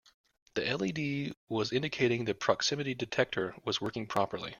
An LED was indicating the proximity detector was working properly.